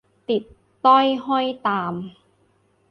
ติดต้อยห้อยตาม